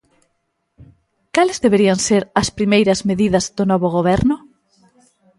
Cales deberían ser as primeiras medidas do novo Goberno?